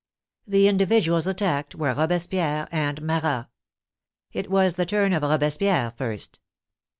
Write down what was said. The indi viduals attacked were Robespierre and Marat. It was the turn of Robespierre first.